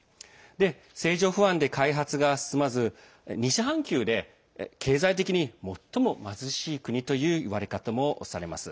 政情不安で開発が進まず西半球で経済的に最も貧しい国という言われ方もしています。